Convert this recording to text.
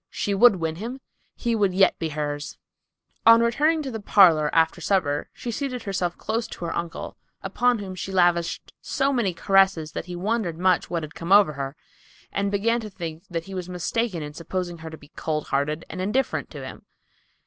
She would win him. He would yet be hers. On returning to the parlor after supper she seated herself close to her uncle, upon whom she lavished so many caresses that he wondered much what had come over her, and began to think that he was mistaken in supposing her to be cold hearted and indifferent to him.